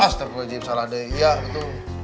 astagfirullahaladzim salah dia betul